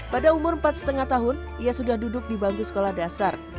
pada umur empat lima tahun ia sudah duduk di bangku sekolah dasar